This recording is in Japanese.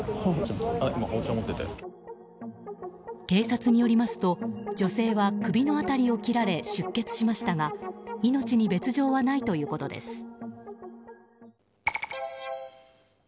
警察によりますと女性は首の辺りを切られ出血しましたが命に別条はないということです。